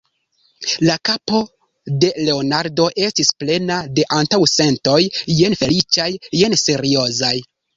La kapo de Leonardo estis plena de antaŭsentoj, jen feliĉaj, jen seriozaj.